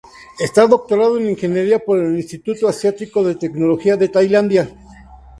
Está doctorado en ingeniería por el Instituto Asiático de Tecnología de Tailandia.